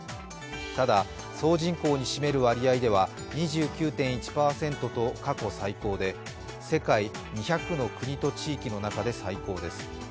ただ、総人口に占める割合では２９．１％と過去最高で世界２００の国と地域の中で最高です。